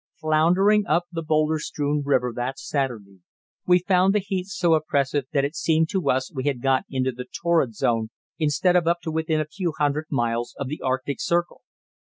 Floundering up the boulder strewn river that Saturday, we found the heat so oppressive that it seemed to us we had got into the torrid zone instead of up to within a few hundred miles of the Arctic Circle.